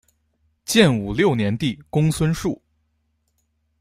建武六年帝公孙述。